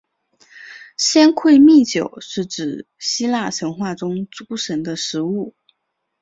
仙馔密酒是指希腊神话中诸神的食物。